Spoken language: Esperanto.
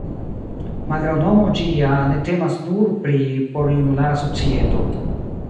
Malgraŭ nomo ĝia ne temas nur pri porjunulara societo.